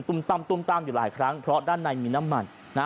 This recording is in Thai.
ตั้มตุ้มตามอยู่หลายครั้งเพราะด้านในมีน้ำมันนะฮะ